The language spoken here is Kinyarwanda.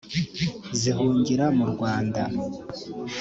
zihungira mu Rwanda